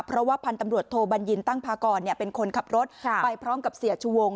เพราะว่าพันธุ์ตำรวจโทบัญญินตั้งพากรเป็นคนขับรถไปพร้อมกับเสียชูวง